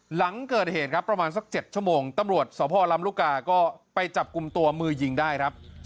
หลังเกิดเหตุครับประมาณสัก๗ชั่วโมงตำรวจสพลำลูกกาก็ไปจับกลุ่มตัวมือยิงได้ครับ